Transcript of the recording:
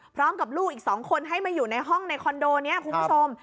พร้อมกับลูกอีก๒คนให้มาอยู่ในห้องในคอนโดนี้คุณผู้ชม